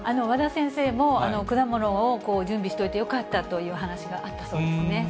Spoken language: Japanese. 和田先生も果物を準備しておいてよかったという話があったそうですね。